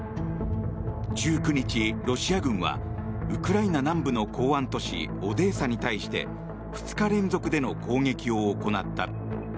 １９日、ロシア軍はウクライナ南部の港湾都市オデーサに対して２日連続での攻撃を行った。